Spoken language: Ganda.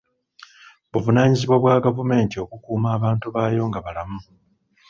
Buvunaanyizibwa bwa gavumenti okukuuma abantu baayo nga balamu.